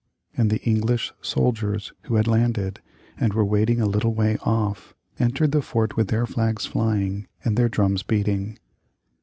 And the English soldiers, who had landed, and were waiting a little way off, entered the fort with their flags flying and their drums beating.